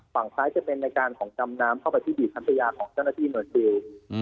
ฝั่งซ้ายจะเป็นในการของดำน้ำเข้าไปที่บีบพัทยาของเจ้าหน้าที่หน่วยซิล